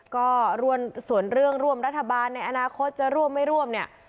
ก็ส่วนเรื่องร่วมรัฐบาลในอนาคตจะร่วมไม่ร่วมเนี่ย